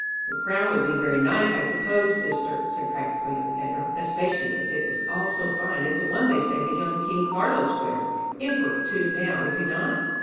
"The crown would be very nice, I suppose, sister," said practical young Pedro, "especially if it was all so fine as the one they say the young King Carlos(1) wears Emperor, too, now, is he not?